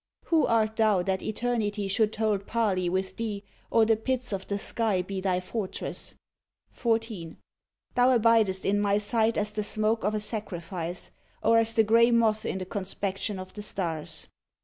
Who art thou that eternity should hold parley with thee, or the pits of the sky be thy fortress? 14. Thou abidest in My sight as the smoke of a sacrifice, or as the grey moth in the conspection of the stars.